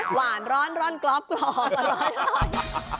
หวานร้อนร่อนกรอบร้อน